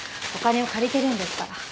お金を借りてるんですから。